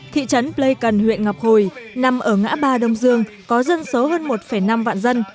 thị trấn pleikon huyện ngọc hồi nằm ở ngã ba đông dương có dân số hơn một năm vạn dân